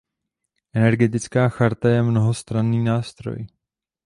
Energetická charta je mnohostranný nástroj.